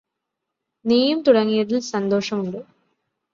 നീയും തുടങ്ങിയതില് സന്തോഷമുണ്ട്